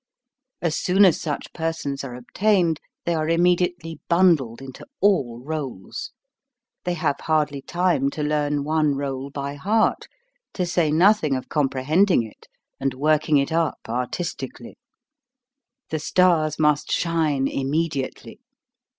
As soon as such persons are obtained, they are immediately bundled into all roles; they have hardly time to learn one role by heart, to say nothing of comprehending it and work ing it up artistically. The stars must shine immediately!